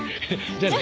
じゃあね。